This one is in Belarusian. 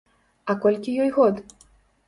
А колькі ёй год?